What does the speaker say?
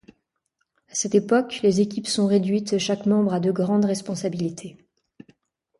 À cette époque, les équipes sont réduites et chaque membre a de grandes responsabilités.